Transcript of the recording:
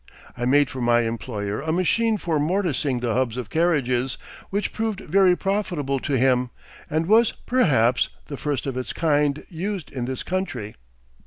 I made for my employer a machine for mortising the hubs of carriages, which proved very profitable to him, and was, perhaps, the first of its kind used in this country.